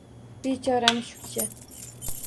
Bechora mushukcha